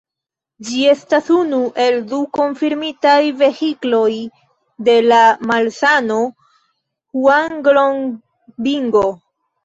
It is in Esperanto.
Ĝi estas unu el du konfirmitaj vehikloj de la malsano hŭanglongbingo.